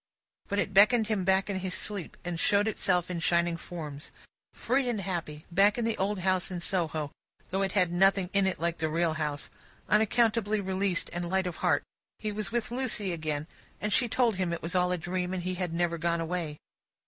But, it beckoned him back in his sleep, and showed itself in shining forms. Free and happy, back in the old house in Soho (though it had nothing in it like the real house), unaccountably released and light of heart, he was with Lucie again, and she told him it was all a dream, and he had never gone away.